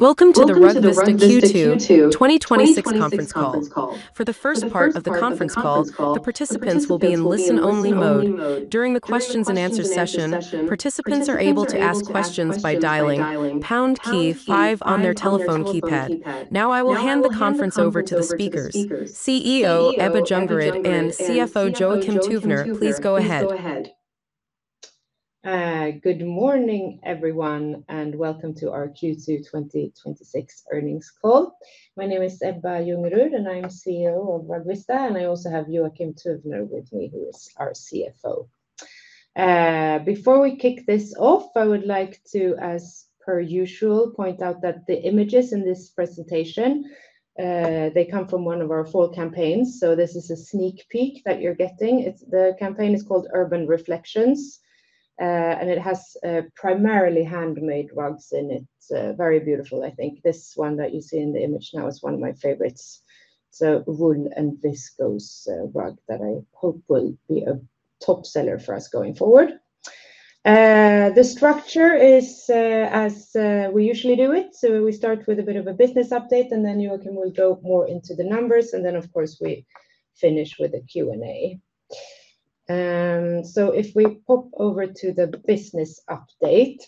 Welcome to the RugVista Q2 2026 conference call. For the first part of the conference call, the participants will be in listen-only mode. During the questions and answer session, participants are able to ask questions by dialing pound key on their telephone keypad. I will hand the conference over to the speakers. CEO Ebba Ljungerud and CFO Joakim Tuvner, please go ahead. Good morning, everyone, and welcome to our Q2 2026 earnings call. My name is Ebba Ljungerud, and I am CEO of RugVista, and I also have Joakim Tuvner with me, who is our CFO. Before we kick this off, I would like to, as per usual, point out that the images in this presentation come from one of our fall campaigns. This is a sneak peek that you're getting. The campaign is called Urban Reflections, and it has primarily handmade rugs in it. Very beautiful, I think. This one that you see in the image now is one of my favorites. Wool and viscose rug that I hope will be a top seller for us going forward. The structure is as we usually do it. We start with a bit of a business update. Joakim will go more into the numbers. Of course, we finish with a Q&A. If we pop over to the business update.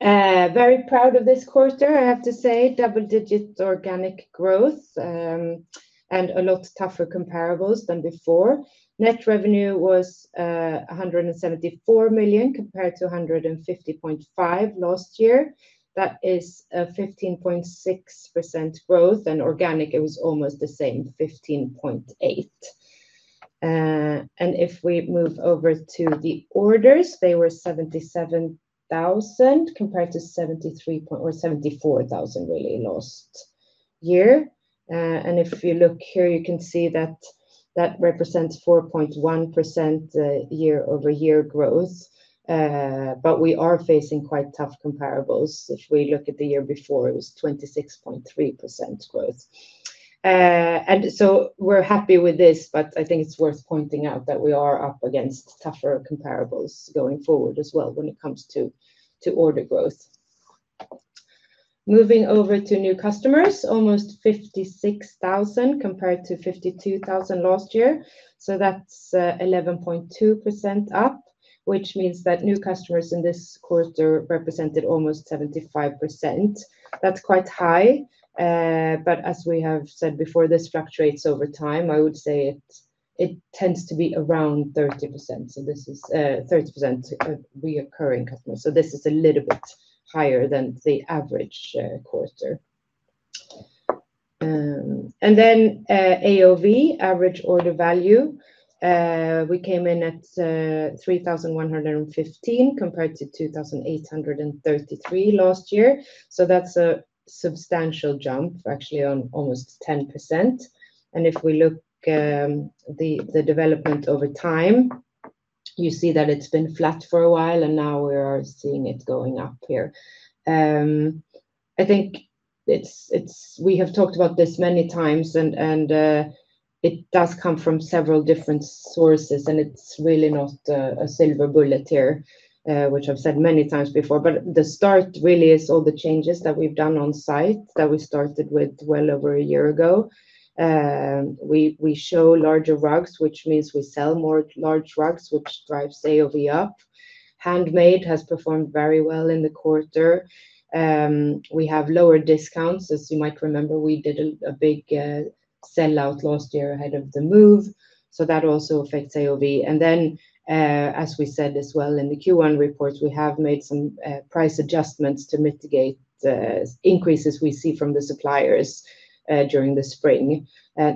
Very proud of this quarter, I have to say. Double-digit organic growth, and a lot tougher comparables than before. Net revenue was 174 million compared to 150.5 million last year. That is a 15.6% growth. Organic, it was almost the same, 15.8%. If we move over to the orders, they were 77,000 compared to 74,000 really last year. If you look here, you can see that represents 4.1% year-over-year growth. We are facing quite tough comparables. If we look at the year before, it was 26.3% growth. We're happy with this, but I think it's worth pointing out that we are up against tougher comparables going forward as well when it comes to order growth. Moving over to new customers, almost 56,000 compared to 52,000 last year. That's 11.2% up, which means that new customers in this quarter represented almost 75%. That's quite high. As we have said before, this fluctuates over time. I would say it tends to be around 30%. This is 30% reoccurring customers. This is a little bit higher than the average quarter. AOV, average order value. We came in at 3,115 compared to 2,833 last year. That's a substantial jump, actually on almost 10%. If we look at the development over time, you see that it's been flat for a while. Now we are seeing it going up here. I think we have talked about this many times, and it does come from several different sources, and it's really not a silver bullet here, which I've said many times before. The start really is all the changes that we've done on site that we started with well over a year ago. We show larger rugs, which means we sell more large rugs, which drives AOV up. Handmade has performed very well in the quarter. We have lower discounts. As you might remember, we did a big sellout last year ahead of the move, so that also affects AOV. As we said as well in the Q1 reports, we have made some price adjustments to mitigate the increases we see from the suppliers during the spring.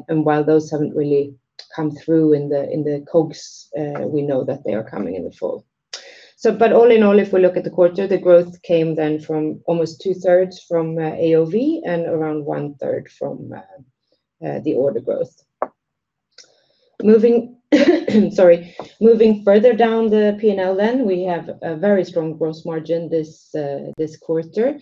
While those haven't really come through in the COGS, we know that they are coming in the fall. All in all, if we look at the quarter, the growth came then from almost two-thirds from AOV and around one-third from the order growth. Moving further down the P&L, we have a very strong gross margin this quarter.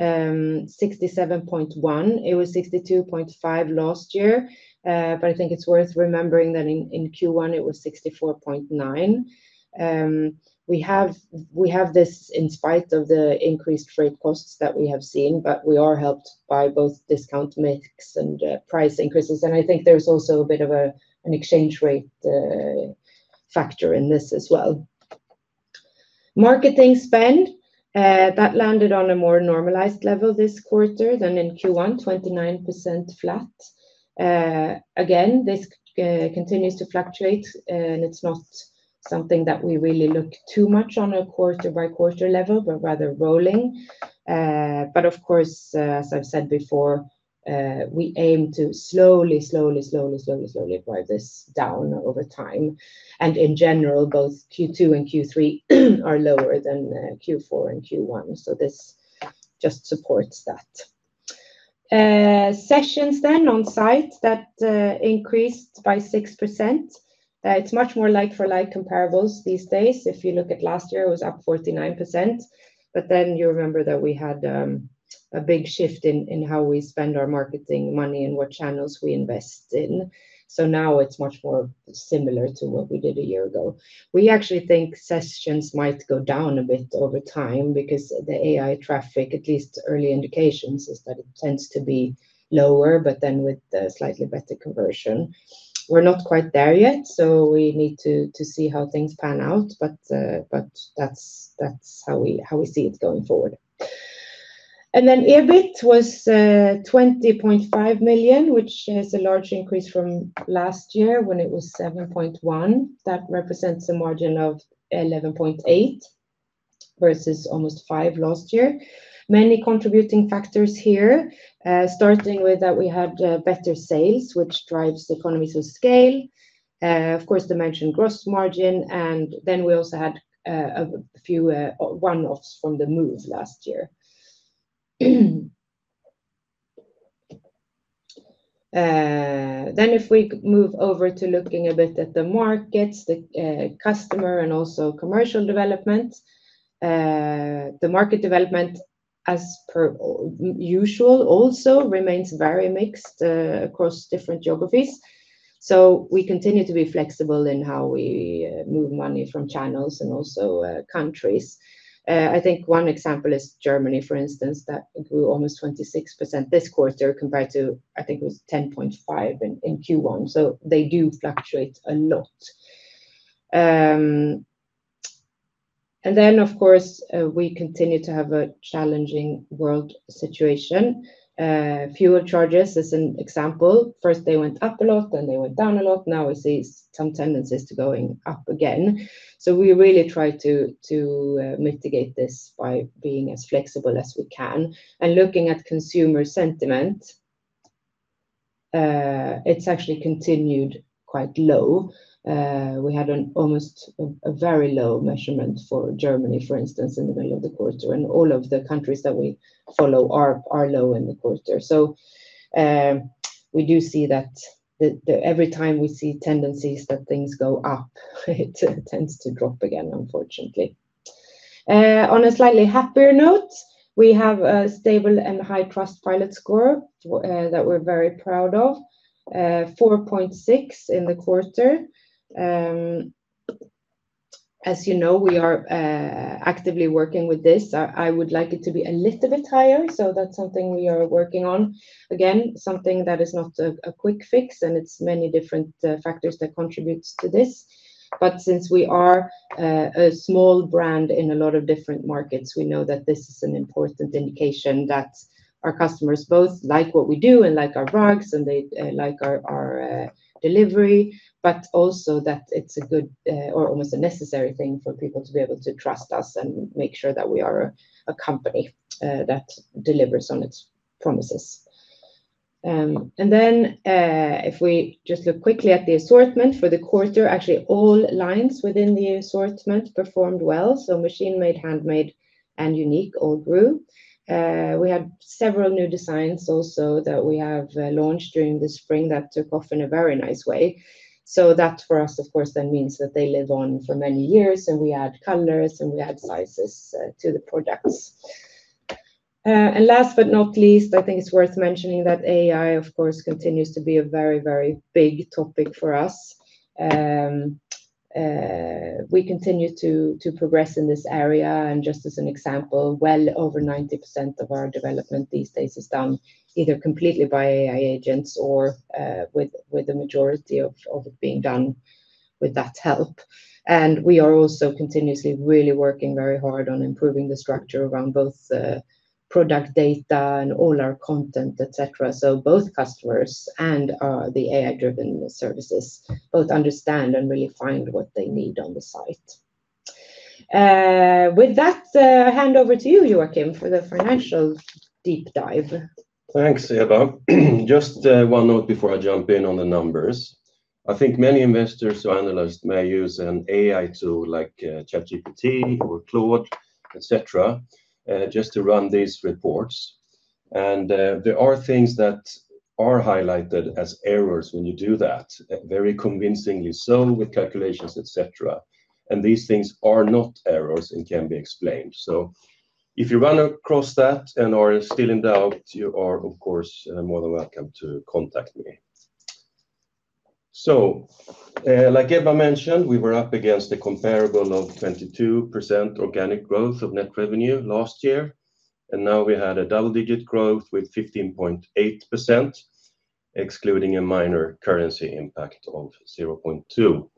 67.1%. It was 62.5% last year. I think it's worth remembering that in Q1 it was 64.9%. We have this in spite of the increased freight costs that we have seen, but we are helped by both discount mix and price increases. I think there's also a bit of an exchange rate factor in this as well. Marketing spend. That landed on a more normalized level this quarter than in Q1, 29% flat. Again, this continues to fluctuate, and it's not something that we really look too much on a quarter-by-quarter level, but rather rolling. Of course, as I've said before, we aim to slowly apply this down over time. In general, both Q2 and Q3 are lower than Q4 and Q1. This just supports that. Sessions on site. That increased by 6%. It's much more like-for-like comparables these days. If you look at last year, it was up 49%, but then you remember that we had a big shift in how we spend our marketing money and what channels we invest in. Now it's much more similar to what we did a year ago. We actually think sessions might go down a bit over time because the AI traffic, at least early indications, is that it tends to be lower, but then with a slightly better conversion. We're not quite there yet, so we need to see how things pan out. That's how we see it going forward. EBIT was 20.5 million, which is a large increase from last year when it was 7.1 million. That represents a margin of 11.8% versus almost five last year. Many contributing factors here, starting with that we had better sales, which drives the economies of scale. Of course, the mentioned gross margin, we also had a few one-offs from the move last year. If we move over to looking a bit at the markets, the customer, and also commercial development. The market development, as per usual, also remains very mixed across different geographies. We continue to be flexible in how we move money from channels and also countries. I think one example is Germany, for instance, that grew almost 26% this quarter compared to, I think it was 10.5% in Q1. They do fluctuate a lot. Of course, we continue to have a challenging world situation. Fuel charges, as an example. First they went up a lot, then they went down a lot. Now we see some tendencies to going up again. We really try to mitigate this by being as flexible as we can. Looking at consumer sentiment, it's actually continued quite low. We had almost a very low measurement for Germany, for instance, in the middle of the quarter. All of the countries that we follow are low in the quarter. We do see that every time we see tendencies that things go up, it tends to drop again, unfortunately. On a slightly happier note, we have a stable and high Trustpilot score that we're very proud of. 4.6 in the quarter. As you know, we are actively working with this. I would like it to be a little bit higher. That's something we are working on. Again, something that is not a quick fix, and it's many different factors that contributes to this. Since we are a small brand in a lot of different markets, we know that this is an important indication that our customers both like what we do and like our products, and they like our delivery. Also that it's a good or almost a necessary thing for people to be able to trust us and make sure that we are a company that delivers on its promises. If we just look quickly at the assortment for the quarter, actually all lines within the assortment performed well. Machine made, handmade, and unique all grew. We had several new designs also that we have launched during the spring that took off in a very nice way. That for us, of course, then means that they live on for many years, and we add colors, and we add sizes to the products. Last but not least, I think it's worth mentioning that AI, of course, continues to be a very big topic for us. We continue to progress in this area, and just as an example, well over 90% of our development these days is done either completely by AI agents or with the majority of it being done with that help. We are also continuously really working very hard on improving the structure around both product data and all our content, et cetera, so both customers and the AI-driven services both understand and really find what they need on the site. With that, I hand over to you, Joakim, for the financial deep dive. Thanks, Ebba. Just one note before I jump in on the numbers. I think many investors or analysts may use an AI tool like ChatGPT or Claude, et cetera, just to run these reports. There are things that are highlighted as errors when you do that, very convincingly so with calculations, et cetera. These things are not errors and can be explained. If you run across that and are still in doubt, you are, of course, more than welcome to contact me. Like Ebba mentioned, we were up against a comparable of 22% organic growth of net revenue last year, and now we had a double-digit growth with 15.8%, excluding a minor currency impact of 0.2.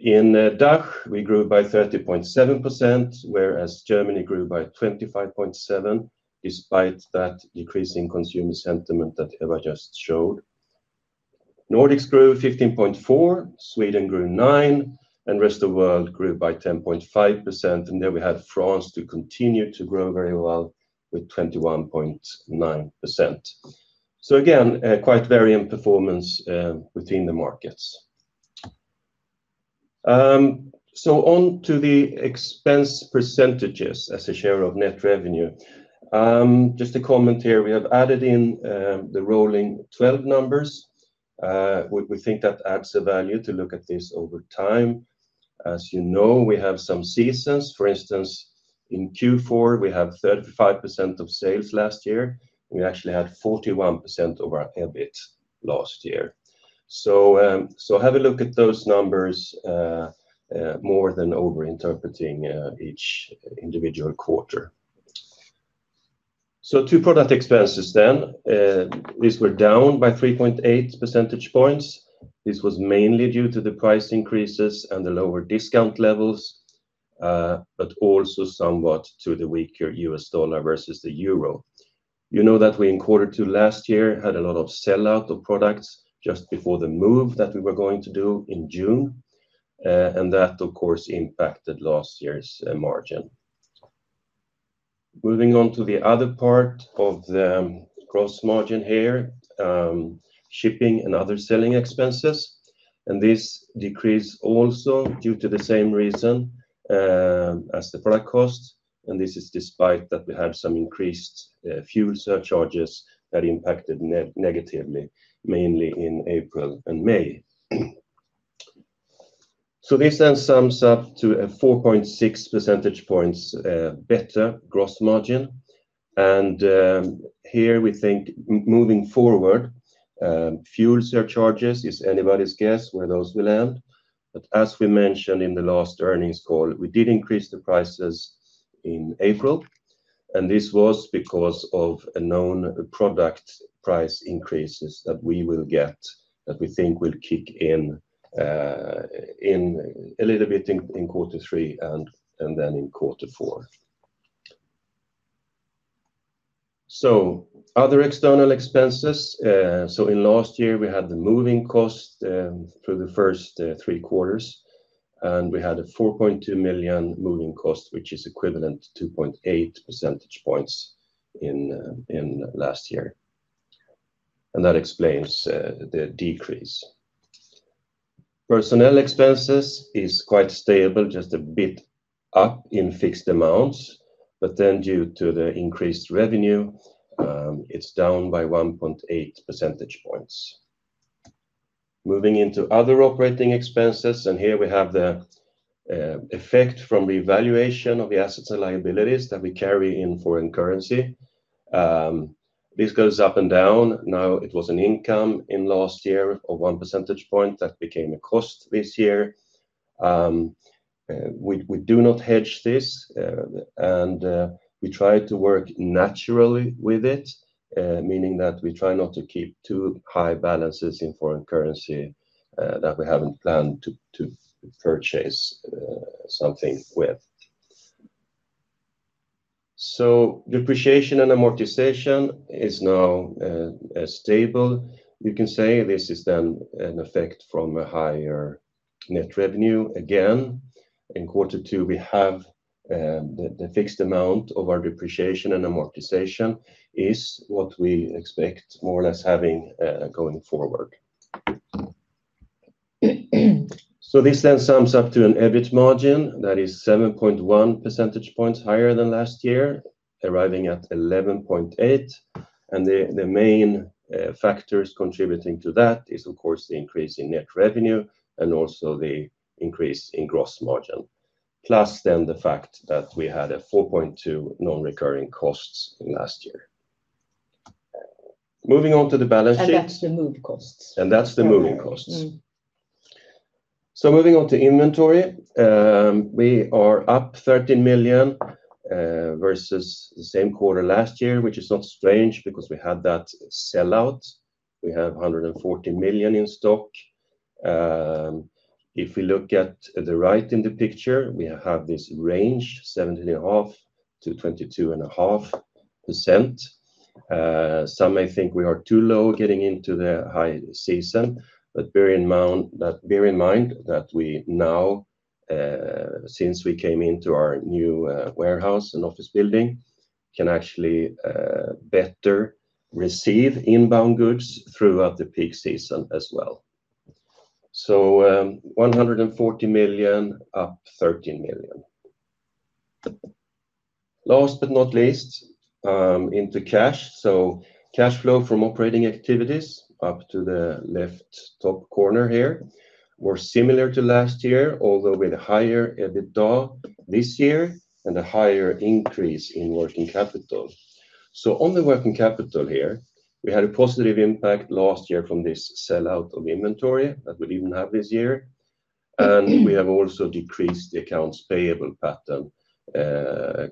In DACH, we grew by 30.7%, whereas Germany grew by 25.7%, despite that decreasing consumer sentiment that Ebba just showed. Nordics grew 15.4%, Sweden grew nine, and rest of world grew by 10.5%. We had France to continue to grow very well with 21.9%. Again, quite varying performance within the markets. On to the expense percentages as a share of net revenue. Just a comment here, we have added in the rolling 12 numbers. We think that adds a value to look at this over time. As you know, we have some seasons. For instance, in Q4, we have 35% of sales last year. We actually had 41% of our EBIT last year. Have a look at those numbers more than over-interpreting each individual quarter. Two product expenses then. These were down by 3.8 percentage points. This was mainly due to the price increases and the lower discount levels, but also somewhat to the weaker US dollar versus the euro. You know that we, in quarter two last year, had a lot of sellout of products just before the move that we were going to do in June. That, of course, impacted last year's margin. Moving on to the other part of the gross margin here, shipping and other selling expenses. This decrease also due to the same reason as the product costs, despite that we had some increased fuel surcharges that impacted negatively, mainly in April and May. This then sums up to a 4.6 percentage points better gross margin. Here we think moving forward, fuel surcharges, it's anybody's guess where those will end. As we mentioned in the last earnings call, we did increase the prices in April, and this was because of a known product price increases that we will get, that we think will kick in a little bit in quarter three and then in quarter four. Other external expenses. In last year, we had the moving cost through the first three quarters, and we had a 4.2 million moving cost, which is equivalent to 2.8 percentage points in last year. That explains the decrease. Personnel expenses is quite stable, just a bit up in fixed amounts, but then due to the increased revenue, it's down by 1.8 percentage points. Moving into other operating expenses, here we have the effect from the evaluation of the assets and liabilities that we carry in foreign currency. This goes up and down. It was an income in last year of 1 percentage point that became a cost this year. We do not hedge this, and we try to work naturally with it, meaning that we try not to keep too high balances in foreign currency that we haven't planned to purchase something with. Depreciation and amortization is now stable. You can say this is then an effect from a higher net revenue. Again, in quarter two, we have the fixed amount of our depreciation and amortization is what we expect more or less having going forward. This then sums up to an EBIT margin that is 7.1 percentage points higher than last year, arriving at 11.8%. The main factors contributing to that is, of course, the increase in net revenue and also the increase in gross margin. The fact that we had 4.2 million non-recurring costs in last year. Moving on to the balance sheet. That's the moving costs. Moving on to inventory. We are up 13 million versus the same quarter last year, which is not strange because we had that sellout. We have 114 million in stock. If we look at the right in the picture, we have this range, 17.5%-22.5%. Some may think we are too low getting into the high season, but bear in mind that we now, since we came into our new warehouse and office building, can actually better receive inbound goods throughout the peak season as well. 140 million, up 13 million. Last but not least, into cash. Cash flow from operating activities, up to the left top corner here, were similar to last year, although with a higher EBITDA this year and a higher increase in working capital. On the working capital here, we had a positive impact last year from this sellout of inventory that we didn't have this year. We have also decreased the accounts payable pattern,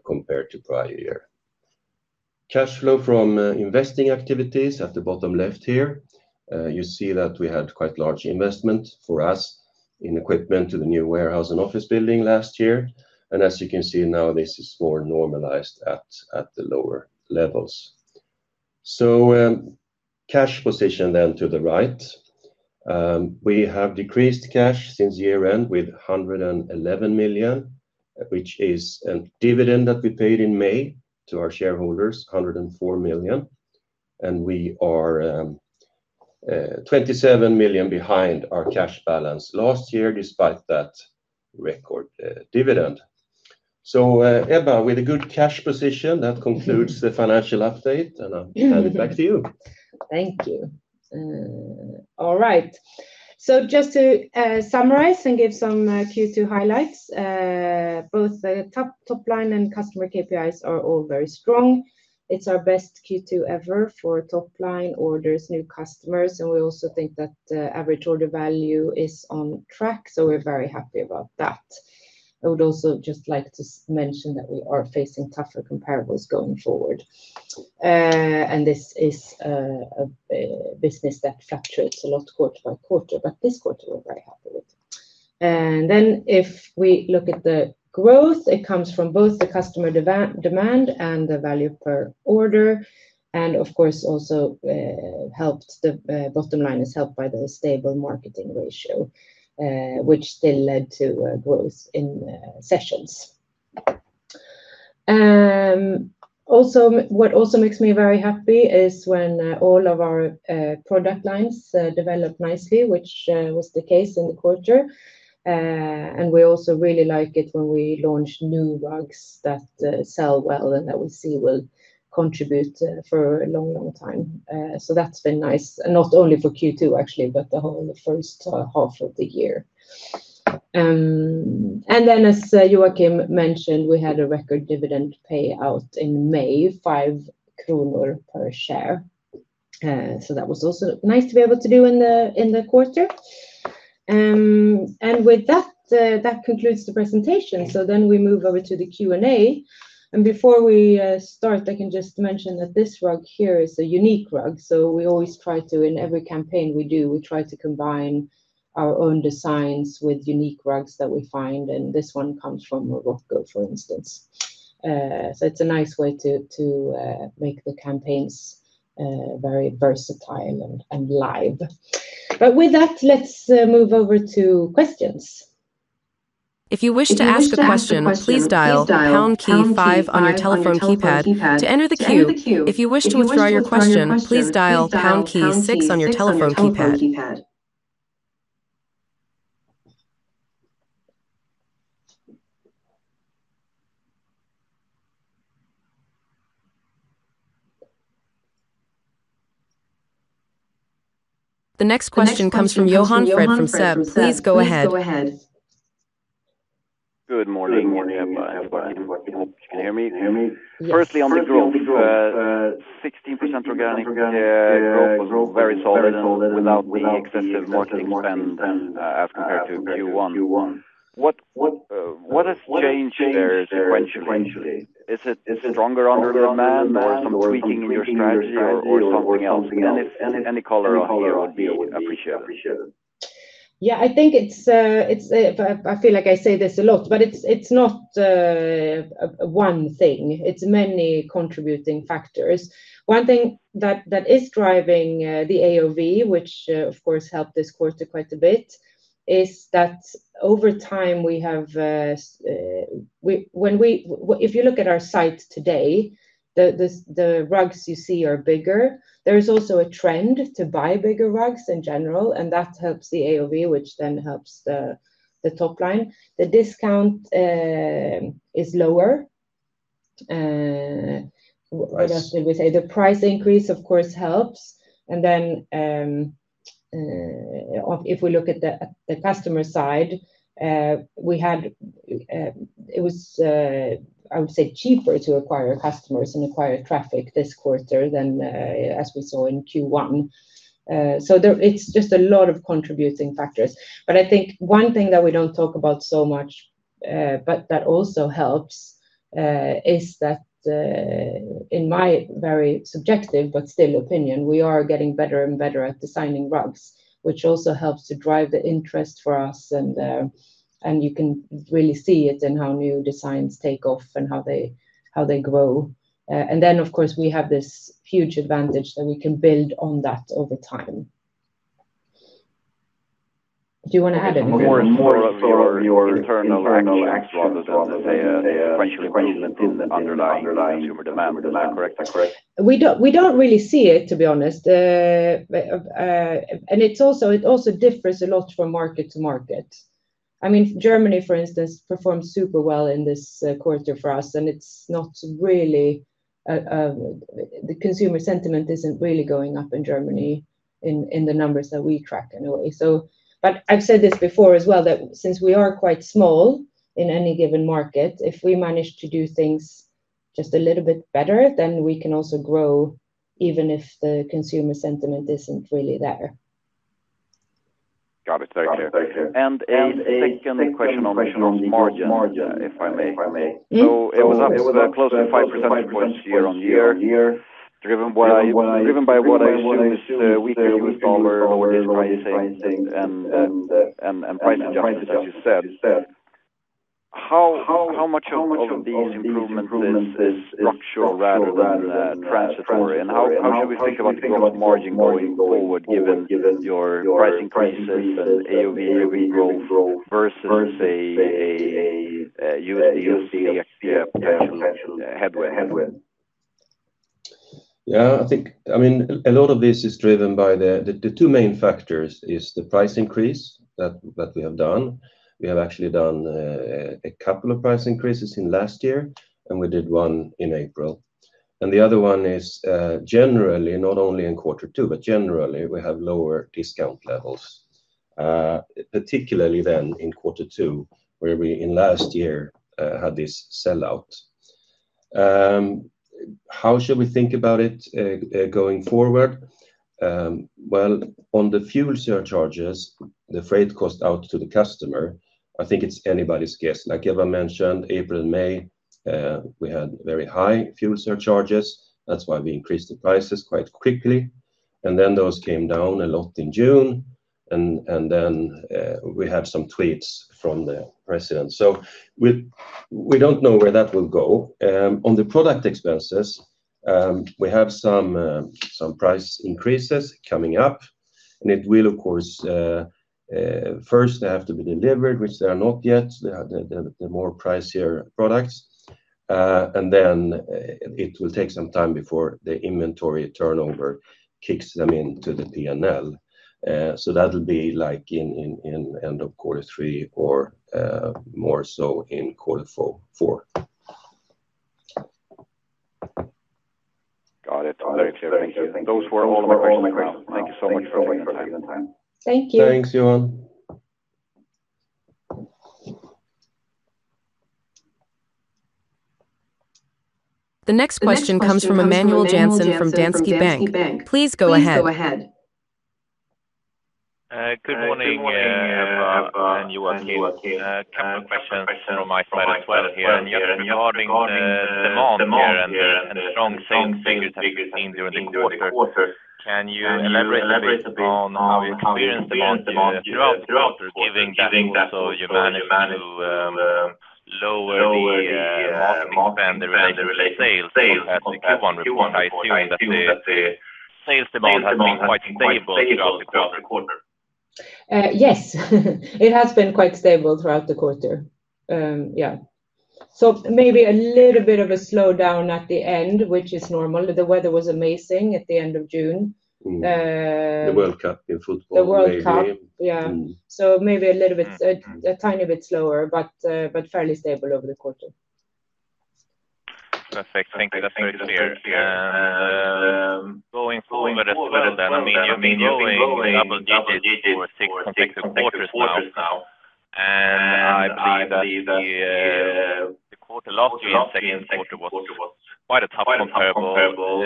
compared to prior year. Cash flow from investing activities at the bottom left here, you see that we had quite large investment for us in equipment to the new warehouse and office building last year. As you can see now, this is more normalized at the lower levels. Cash position to the right. We have decreased cash since year-end with 111 million, which is a dividend that we paid in May to our shareholders, 104 million. We are 27 million behind our cash balance last year, despite that record dividend. Ebba, with a good cash position, that concludes the financial update, and I'll hand it back to you. Thank you. All right. Just to summarize and give some Q2 highlights, both the top line and customer KPIs are all very strong. It's our best Q2 ever for top line orders, new customers, and we also think that the average order value is on track, so we are very happy about that. I would also just like to mention that we are facing tougher comparables going forward. This is a business that fluctuates a lot quarter by quarter, but this quarter we are very happy with. If we look at the growth, it comes from both the customer demand and the value per order, and of course also the bottom line is helped by the stable marketing ratio, which still led to growth in sessions. What also makes me very happy is when all of our product lines develop nicely, which was the case in the quarter. We also really like it when we launch new rugs that sell well and that we see will contribute for a long time. That's been nice, and not only for Q2 actually, but the whole first half of the year. As Joakim mentioned, we had a record dividend payout in May, 5 kronor per share. That was also nice to be able to do in the quarter. With that concludes the presentation. We move over to the Q&A. Before we start, I can just mention that this rug here is a unique rug. We always try to, in every campaign we do, we try to combine our own designs with unique rugs that we find, and this one comes from Morocco, for instance. It's a nice way to make the campaigns very versatile and live. With that, let's move over to questions. If you wish to ask a question, please dial pound key five on your telephone keypad to enter the queue. If you wish to withdraw your question, please dial pound key six on your telephone keypad. The next question comes from Johan Fred from SEB. Please go ahead. Good morning, Ebba and Joakim. Can you hear me? Yes. Firstly, on the growth, 16% organic growth was very solid and without the excessive marketing spend as compared to Q1. What has changed there sequentially? Is it stronger underlying demand or some tweaking in your strategy or something else? Any color on here would be appreciated. Yeah, I feel like I say this a lot, but it's not one thing. It's many contributing factors. One thing that is driving the AOV, which of course helped this quarter quite a bit, is that over time, if you look at our site today, the rugs you see are bigger. There is also a trend to buy bigger rugs in general, and that helps the AOV, which then helps the top line. The discount is lower. Price. What else did we say? The price increase, of course, helps. If we look at the customer side, it was, I would say, cheaper to acquire customers and acquire traffic this quarter than as we saw in Q1. It's just a lot of contributing factors. I think one thing that we don't talk about so much, but that also helps, is that, in my very subjective but still opinion, we are getting better and better at designing rugs, which also helps to drive the interest for us. You can really see it in how new designs take off and how they grow. Of course, we have this huge advantage that we can build on that over time. Do you want to add anything? More of your internal actions rather than a sequential improvement in underlying consumer demand. Is that correct? We don't really see it, to be honest. It also differs a lot from market-to-market. Germany, for instance, performed super well in this quarter for us, and the consumer sentiment isn't really going up in Germany in the numbers that we track, in a way. I've said this before as well, that since we are quite small in any given market, if we manage to do things just a little bit better, then we can also grow, even if the consumer sentiment isn't really there. Got it. Very clear. A second question on the gross margin, if I may. It was up close to 5% year-on-year, driven by what I assume is weaker US dollar and lower discount rates and price adjustments, as you said. How much of these improvement is structural rather than transitory, and how should we think about margin going forward given your pricing increases and AOV growth versus a USD/SEK potential headwind? Yeah. A lot of this is driven by the two main factors: the price increase that we have done. We have actually done a couple of price increases in the last year, and we did one in April. The other one is, not only in quarter two, but generally, we have lower discount levels, particularly then in quarter two, where we, in last year, had this sell-out. How should we think about it going forward? Well, on the fuel surcharges, the freight cost out to the customer, I think it's anybody's guess. Like Ebba mentioned, April and May, we had very high fuel surcharges. That's why we increased the prices quite quickly, and then those came down a lot in June, and then we have some tweets from the president. We don't know where that will go. On the product expenses, we have some price increases coming up, and it will, of course, first have to be delivered, which they are not yet, the more pricier products. It will take some time before the inventory turnover kicks them into the P&L. That'll be in end of quarter three or more so in quarter four. Got it. Very clear. Thank you. Those were all my questions for now. Thank you so much for your time. Thank you. Thanks, Johan. The next question comes from Emanuel Jansson from Danske Bank. Please go ahead. Good morning, Ebba and Joakim. A couple of questions from my side as well here. Regarding demand here and the strong sales figures that we've seen during the quarter, can you elaborate a bit on how you experienced demand throughout the quarter, given that you managed to lower the marketing spend related to sales as per the Q1 report? I assume that the sales demand has been quite stable throughout the quarter. Yes. It has been quite stable throughout the quarter. Yeah. Maybe a little bit of a slowdown at the end, which is normal. The weather was amazing at the end of June. The World Cup in football maybe. The World Cup. Yeah. Maybe a tiny bit slower, but fairly stable over the quarter. Perfect. Thank you. Very clear. Going forward as well then, you've been growing double digits for six consecutive quarters now, and I believe that the last growing second quarter was quite a tough comparable.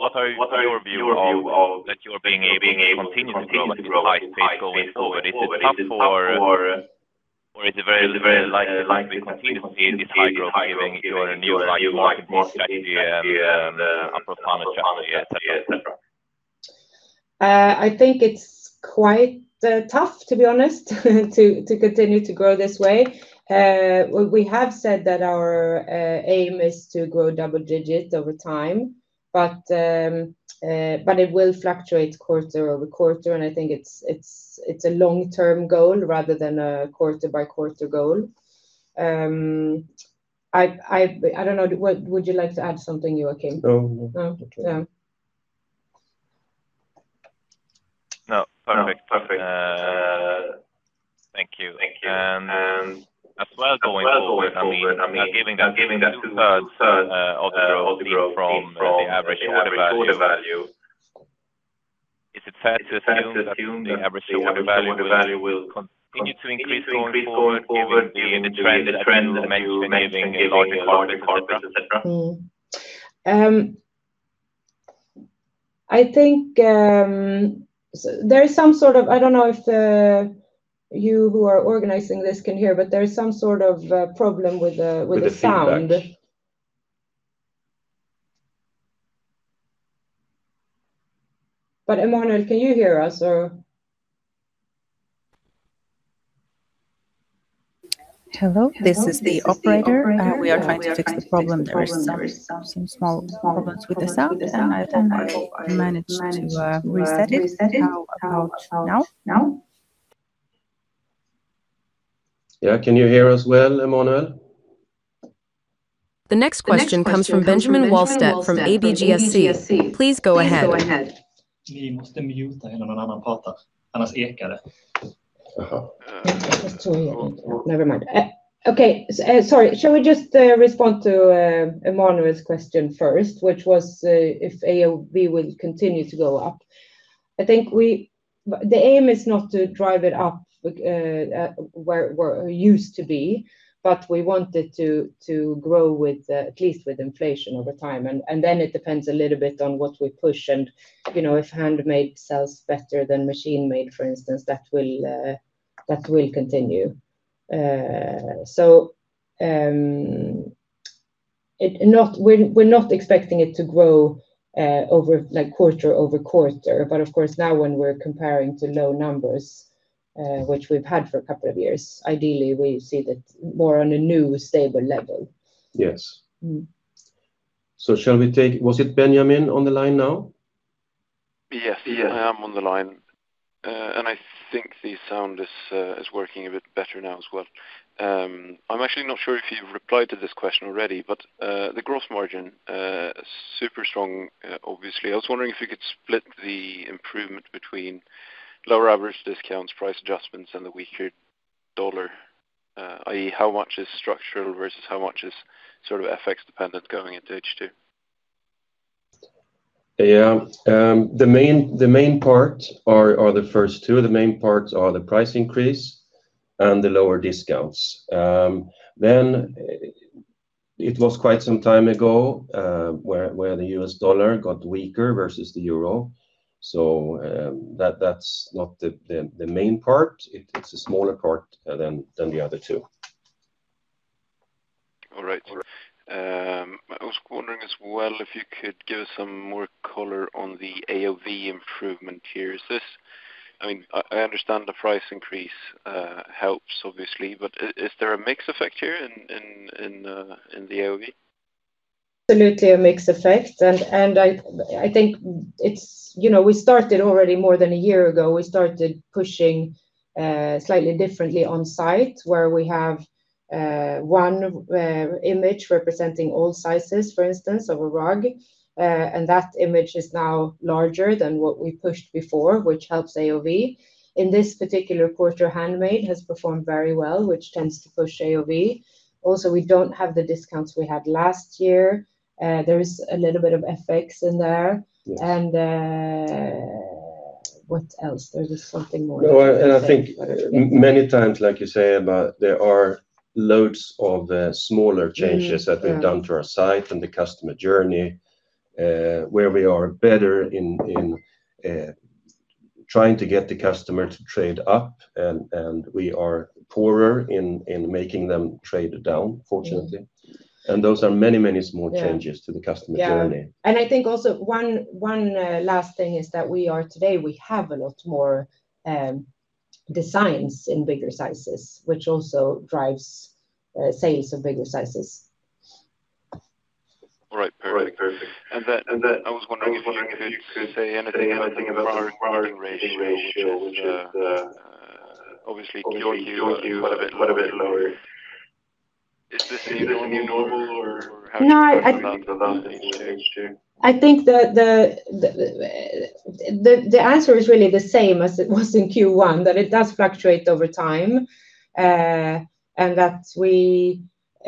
What are your view of that you are being able to continue to grow at a high pace going forward? Is it tough or is it very likely that we continue to see this high growth given your new marketing strategy and the additional channel et cetera? I think it's quite tough, to be honest, to continue to grow this way. We have said that our aim is to grow double digits over time, but it will fluctuate quarter-over-quarter, and I think it's a long-term goal rather than a quarter-by-quarter goal. I don't know. Would you like to add something, Joakim? No. No? No. Perfect. Thank you. As well going forward, given that two-thirds of the growth came from the average order value, is it fair to assume that the average order value will continue to increase going forward given the trend that you mentioned with larger products, et cetera? I don't know if you who are organizing this can hear, there is some sort of a problem with the sound. With the feedback. Emanuel, can you hear us or. Hello, this is the operator. We are trying to fix the problem. There were some small problems with the sound, and I think I managed to reset it. How about now? Yeah. Can you hear us well, Emanuel? The next question comes from Benjamin Wahlstedt from ABGSC. Please go ahead. You must mute when someone else is talking, or it will echo. Never mind. Okay, sorry. Shall we just respond to Emanuel's question first, which was if AOV will continue to go up? I think the aim is not to drive it up where it used to be, but we want it to grow at least with inflation over time. It depends a little bit on what we push and if handmade sells better than machine-made, for instance, that will continue. We're not expecting it to grow quarter-over-quarter. Of course, now when we're comparing to low numbers, which we've had for a couple of years, ideally we see that more on a new stable level. Yes. Shall we take, was it Benjamin on the line now? Yes. I am on the line. I think the sound is working a bit better now as well. I'm actually not sure if you've replied to this question already. The gross margin, super strong, obviously. I was wondering if you could split the improvement between lower average discounts, price adjustments, and the weaker US dollar. I.e., how much is structural versus how much is sort of FX dependent going into H2? Yeah. The main part or the first two of the main parts are the price increase and the lower discounts. It was quite some time ago, where the US dollar got weaker versus the euro. That's not the main part. It's a smaller part than the other two. All right. I was wondering as well if you could give us some more color on the AOV improvement here. I understand the price increase helps obviously, but is there a mix effect here in the AOV? Absolutely a mix effect. I think we started already more than a year ago. We started pushing slightly differently on site where we have one image representing all sizes, for instance, of a rug. That image is now larger than what we pushed before, which helps AOV. In this particular quarter, handmade has performed very well, which tends to push AOV. Also, we don't have the discounts we had last year. There is a little bit of FX in there. Yes. What else? There was something more. No. I think many times, like you say, Ebba, there are loads of the smaller changes. Yeah. That we've done to our site and the customer journey, where we are better in trying to get the customer to trade up, and we are poorer in making them trade down, fortunately. Those are many small changes to the customer journey. Yeah. I think also one last thing is that we are today, we have a lot more designs in bigger sizes, which also drives sales of bigger sizes. I was wondering if you could say anything about the marketing ratio, which is obviously Q2 quite a bit lower. Is this the new normal or how do you think about this change too? I think the answer is really the same as it was in Q1, that it does fluctuate over time. We are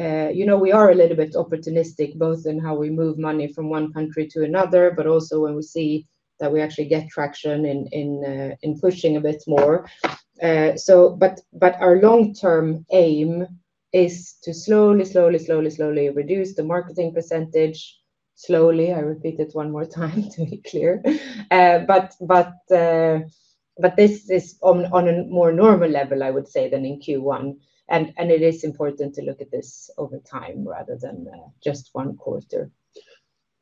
a little bit opportunistic both in how we move money from one country to another, but also when we see that we actually get traction in pushing a bit more. Our long-term aim is to slowly reduce the marketing percentage slowly. I repeat it one more time to be clear. This is on a more normal level, I would say, than in Q1. It is important to look at this over time rather than just one quarter.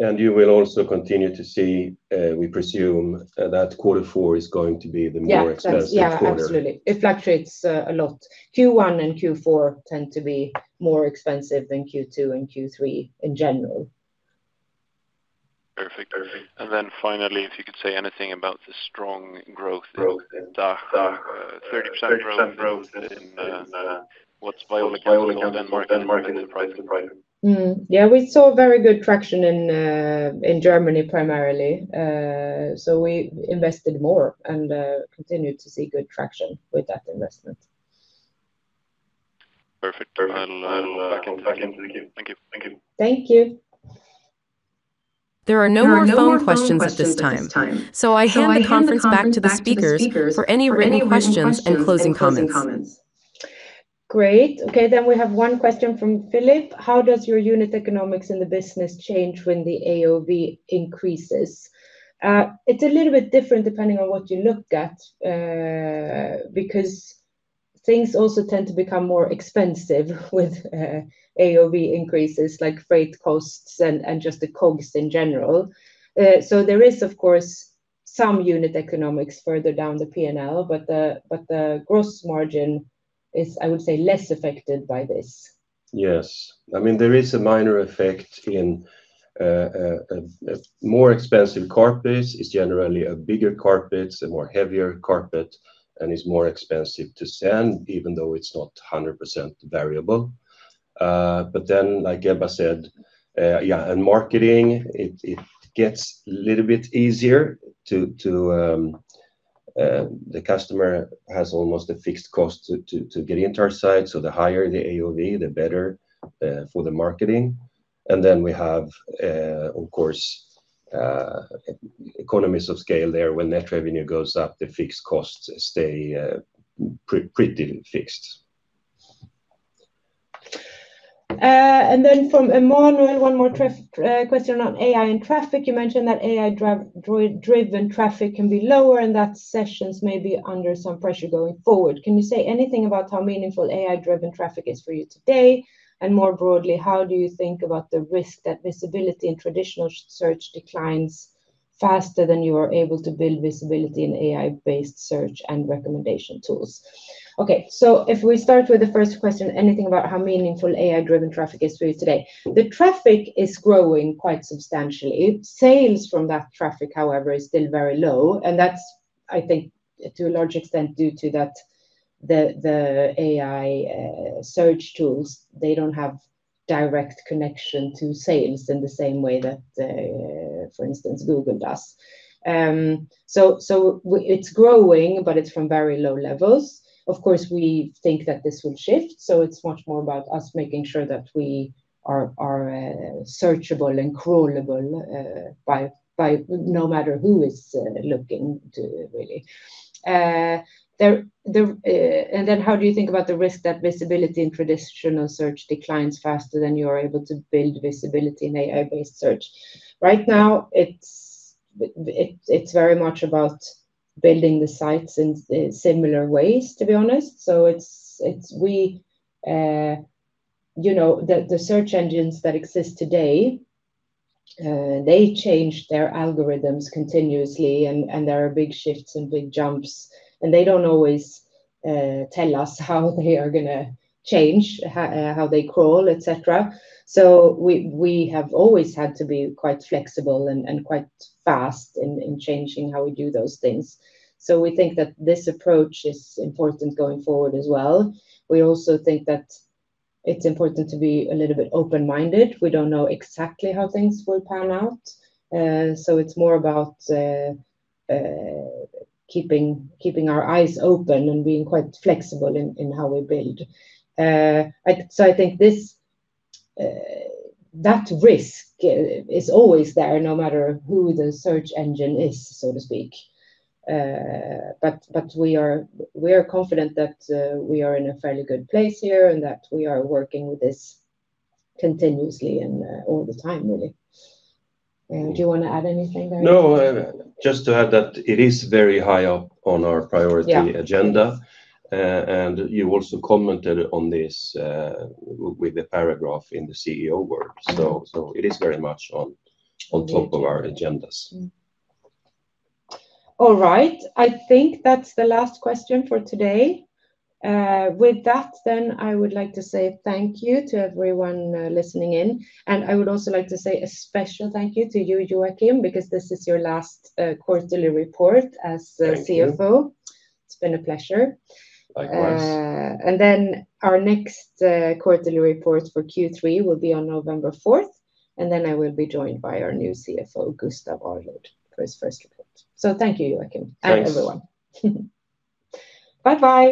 You will also continue to see, we presume that quarter four is going to be the more expensive quarter. Yeah, absolutely. It fluctuates a lot. Q1 and Q4 tend to be more expensive than Q2 and Q3 in general. Perfect. Finally, if you could say anything about the strong growth in DACH. 30% growth in what's by all accounts a benchmark in price compared to- Yeah, we saw very good traction in Germany primarily. We invested more and continued to see good traction with that investment. Perfect. Back into the queue. Thank you. Thank you. There are no more phone questions at this time, I hand the conference back to the speakers for any written questions and closing comments. Great. Okay, we have one question from Philip. How does your unit economics in the business change when the AOV increases? It's a little bit different depending on what you look at, because things also tend to become more expensive with AOV increases, like freight costs and just the COGS in general. There is, of course, some unit economics further down the P&L, but the gross margin is, I would say, less affected by this. Yes. There is a minor effect in a more expensive carpet is generally a bigger carpet, a more heavier carpet, and is more expensive to send, even though it's not 100% variable. Like Ebba said, and marketing, it gets a little bit easier to. The customer has almost a fixed cost to get into our site. The higher the AOV, the better for the marketing. We have, of course, economies of scale there. When net revenue goes up, the fixed costs stay pretty fixed. From Emanuel, one more question on AI and traffic. You mentioned that AI-driven traffic can be lower and that sessions may be under some pressure going forward. Can you say anything about how meaningful AI-driven traffic is for you today? More broadly, how do you think about the risk that visibility in traditional search declines faster than you are able to build visibility in AI-based search and recommendation tools? Okay. If we start with the first question, anything about how meaningful AI-driven traffic is for you today? The traffic is growing quite substantially. Sales from that traffic, however, is still very low, and that's, I think, to a large extent due to the AI search tools, they don't have direct connection to sales in the same way that, for instance, Google does. It's growing, but it's from very low levels. Of course, we think that this will shift, so it's much more about us making sure that we are searchable and crawlable no matter who is looking really. How do you think about the risk that visibility in traditional search declines faster than you are able to build visibility in AI-based search? Right now, it's very much about building the sites in similar ways, to be honest. The search engines that exist today, they change their algorithms continuously, and there are big shifts and big jumps, and they don't always tell us how they are going to change, how they crawl, et cetera. We have always had to be quite flexible and quite fast in changing how we do those things. We think that this approach is important going forward as well. We also think that it's important to be a little bit open-minded. We don't know exactly how things will pan out. It's more about keeping our eyes open and being quite flexible in how we build. I think that risk is always there no matter who the search engine is, so to speak. We are confident that we are in a fairly good place here and that we are working with this continuously and all the time, really. Do you want to add anything there? No, just to add that it is very high up on our priority agenda. Yeah. You also commented on this with a paragraph in the CEO words. It is very much on top of our agendas. All right. I think that's the last question for today. With that, I would like to say thank you to everyone listening in, and I would also like to say a special thank you to you, Joakim, because this is your last quarterly report as CFO. Thank you. It's been a pleasure. Likewise. Our next quarterly report for Q3 will be on November 4th, I will be joined by our new CFO, Gustaf Arlid, for his first report. Thank you, Joakim. Thanks. Everyone. Bye bye